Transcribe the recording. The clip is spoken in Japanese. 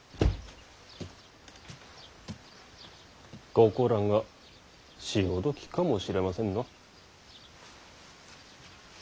ここらが潮時かもしれませんな。